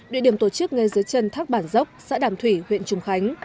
địa điểm tổ chức ngay dưới chân thác bản dốc xã đàm thủy huyện trùng khánh